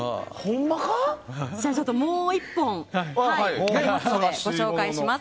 もう１本ありますのでご紹介します。